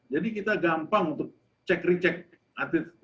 jadi kita gampang untuk cek ricek atlet